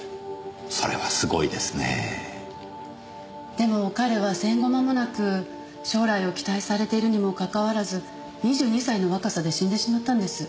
でも彼は戦後間もなく将来を期待されているにもかかわらず２２歳の若さで死んでしまったんです。